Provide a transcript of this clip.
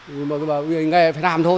nhưng mà nghề phải làm thôi